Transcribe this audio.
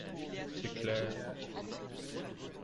C’est clair